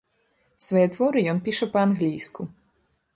Свае творы ён піша па-англійску.